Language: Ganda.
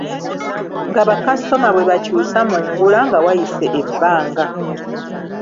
Nga bakasitoma bwe bakyusa mu ngula nga wayise ebbanga.